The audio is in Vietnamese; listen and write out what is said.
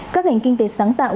các ngành kinh tế sáng tạo